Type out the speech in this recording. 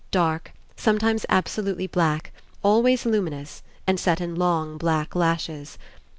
dark, sometimes absolutely black, always luminous, and set in long, black lashes.